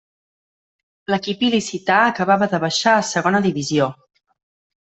L'equip il·licità acabava de baixar a Segona Divisió.